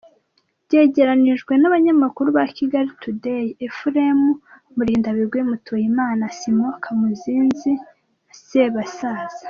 Byegeranyijwe n’abanyamakuru ba Kigali Tudeyi: Efuremu Murindabigwi, Mutuyimana, Simoni Kamuzinzi, Sebasaza.